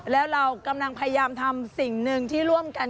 แล้วเรากำลังพยายามทำสิ่งหนึ่งที่ร่วมกัน